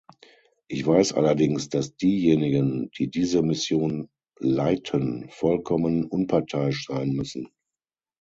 Ich weiß allerdings, dass diejenigen, die diese Mission leiten, vollkommen unparteiisch sein müssen.